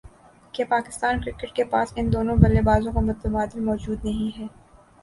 کہ پاکستان کرکٹ کے پاس ان دونوں بلے بازوں کا متبادل موجود نہیں ہے